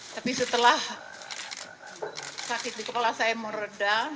tapi setelah sakit di kepala saya meredam